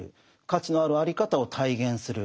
価値のあるあり方を体現する。